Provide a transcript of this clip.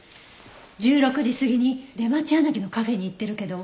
１６時過ぎに出町柳のカフェに行ってるけど。